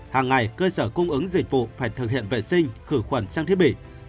hàng ngày cơ sở cung ứng dịch vụ phải thực hiện vệ sinh khử khuẩn sang thiết bị